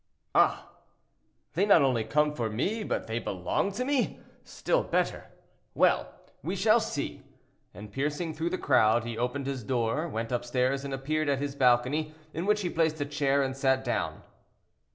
"Ah! they not only come for me, but they belong to me—still better. Well! we shall see," and piercing through the crowd, he opened his door, went upstairs, and appeared at his balcony, in which he placed a chair and sat down.